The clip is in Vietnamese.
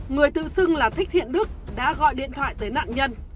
người tự xưng là thích thiện đức đã gọi điện thoại tới nạn nhân